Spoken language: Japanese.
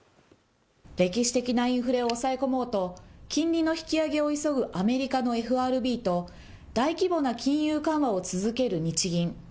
歴史的なインフレを抑え込もうと、金利の引き上げを急ぐアメリカのＦＲＢと、大規模な金融緩和を続ける日銀。